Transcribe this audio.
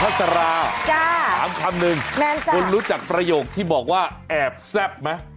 สุพัสราตามคำนึงเป็นคนรู้จักประโยคที่บอกว่าแอบแซบไหม